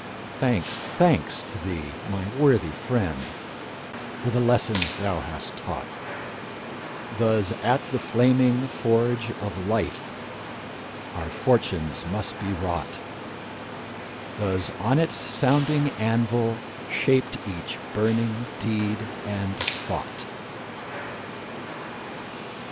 Thanks, thanks to thee, my worthy friend, For the lesson thou hast taught! Thus at the flaming forge of lifeOur fortunes must be wrought; Thus on its sounding anvil shapedEach burning deed and thought!